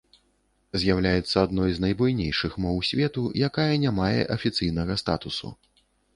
З'яўляецца адной з найбуйнейшых моў свету, якая не мае афіцыйнага статусу.